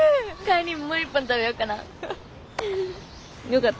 帰りにもう一本食べよかな。